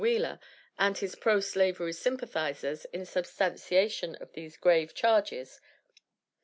Wheeler and his pro slavery sympathizers in substantiation of these grave charges.